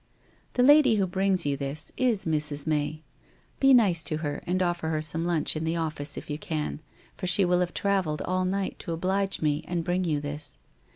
The lady who brings you this is Mrs. May. Be nice to her and offer her some lunch in the office, if you can, for she will have travelled all night to oblige me and bring you this.